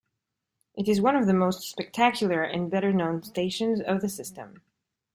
It is one of the most spectacular and better-known stations of the system.